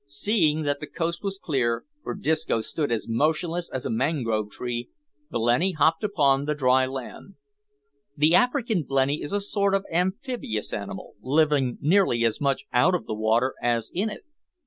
Seeing that the coast was clear, for Disco stood as motionless as a mangrove tree, blenny hopped upon the dry land. The African blenny is a sort of amphibious animal, living nearly as much out of the water as in it.